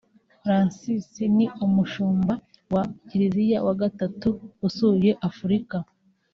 Francis ni umushumba wa Kiliziya wa gatatu usuye Afurika